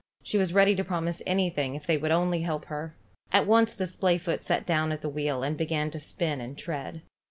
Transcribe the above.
She was ready to promise anything if they would only help her. At once the splayfoot sat down at the wheel, and began to spin and tread.